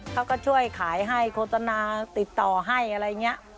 เขาก็ช่วยขายให้โฆษณาติดต่อให้อะไรอย่างนี้